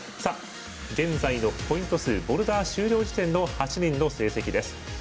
現在のポイント数ボルダー終了時点の８人の成績です。